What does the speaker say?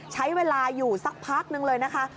ใช้เวลาอยู่สักพักนึงเลยนะคะ